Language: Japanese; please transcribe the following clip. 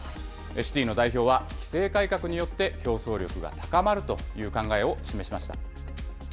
シティの代表は、規制改革によって競争力が高まるという考えを示しました。